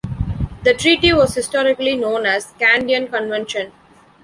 The treaty was historically known as "Kandyan Convention".